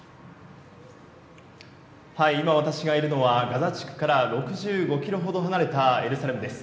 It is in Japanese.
今、私がいるのは、ガザ地区から６５キロほど離れたエルサレムです。